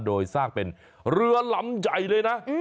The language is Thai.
โดยสร้างเป็นเรือลำใหญ่เลยนะ